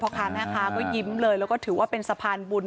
เพราะครั้งนั้นค้าก็ยิ้มเลยแล้วก็ถือว่าเป็นสะพานบุญ